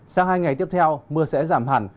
sáng hai ngày tiếp theo mưa sẽ giảm hẳn